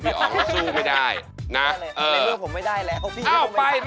มันก็ใช่มันก็ใช่